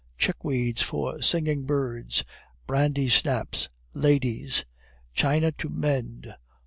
"Chick weeds for singing bir ds!" "Brandy snaps, ladies!" "China to mend!"